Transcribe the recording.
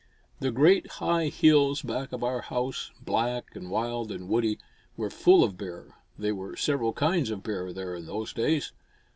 The great high hills back of our house, black and wild and woody, were full of bear. There were several kinds of bear there in those days.